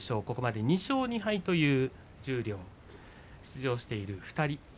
ここまで２勝２敗という十両出場している２人。